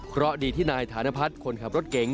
เพราะดีที่นายฐานพัฒน์คนขับรถเก๋ง